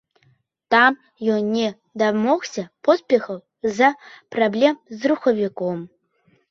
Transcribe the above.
Там ён не дамогся поспехаў з-за праблем з рухавіком.